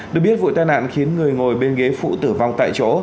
được biết vụ tai nạn khiến người ngồi bên ghế phụ tử vong tại chỗ